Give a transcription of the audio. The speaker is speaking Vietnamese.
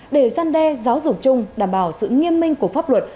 để gian đe giáo dục chung đảm bảo sự nghiêm minh của pháp luật